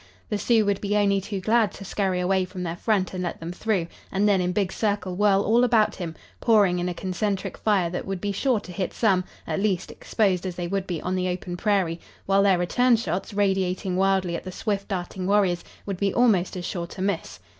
The Sioux would be only to glad to scurry away from their front and let them through, and then in big circle whirl all about him, pouring in a concentric fire that would be sure to hit some, at least, exposed as they would be on the open prairie, while their return shots, radiating wildly at the swift darting warriors, would be almost as sure to miss.